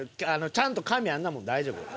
ちゃんとかめばあんなもん大丈夫よ。